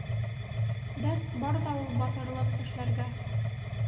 — Дәрт бар ҙа ул батырлыҡ эшләргә...